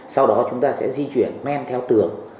sau đó chúng ta sẽ di chuyển men theo tường